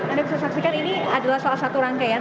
anda bisa saksikan ini adalah salah satu rangkaian